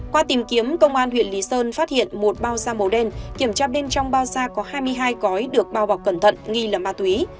qua tìm kiếm công an huyện lý sơn phát hiện một bao da màu đen kiểm tra bên trong bao da có hai mươi hai gói được bao bọc cẩn thận nghi là ma túy